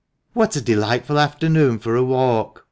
"What a delightful afternoon for a walk!"